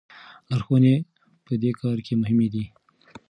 لارښوونې په دې کار کې مهمې دي.